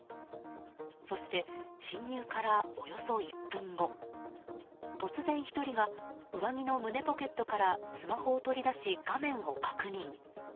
そして侵入からおよそ１分後突然１人が上着の胸ポケットからスマホを取り出し、画面を確認。